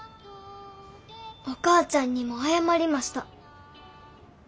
お母ちゃんにも謝りました。